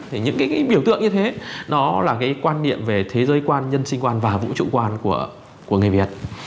thì những cái biểu tượng như thế nó là cái quan niệm về thế giới quan nhân sinh quan và vũ trụ quan của người việt